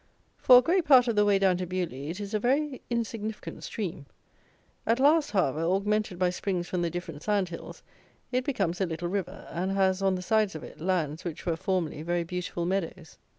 For a great part of the way down to Beaulieu it is a very insignificant stream. At last, however, augmented by springs from the different sand hills, it becomes a little river, and has, on the sides of it, lands which were, formerly, very beautiful meadows.